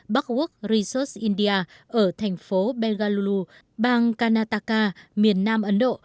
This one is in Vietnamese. backwork research india ở thành phố begalu bang kanataka miền nam ấn độ